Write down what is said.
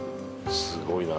すごいな。